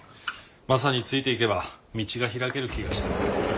マサについていけば道が開ける気がして。